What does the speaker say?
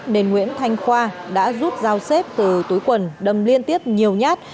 nên nguyễn thanh khoa đã giúp giao xếp từ túi quần đâm liên tiếp nhiều nhát